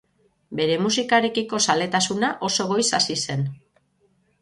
Bere musikarekiko zaletasuna oso goiz hasi zen.